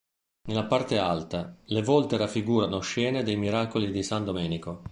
Nella parte alta, le volte raffigurano scene dei miracoli di San Domenico.